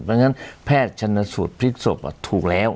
เพราะฉะนั้นแพทย์ชนสูตรพลิกศพถูกแล้ว